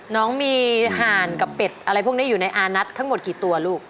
น้องมีห่านกับเป็ดอะไรพวกนี้อยู่ในอานัททั้งหมดกี่ตัวลูก